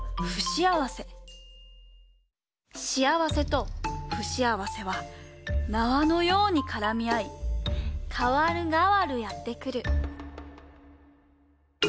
しあわせとふしあわせは縄のようにからみあいかわるがわるやってくる。